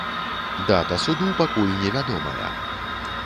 Дата суду пакуль невядомая.